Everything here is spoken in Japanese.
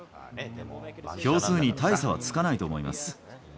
票数に大差はつかないと思います。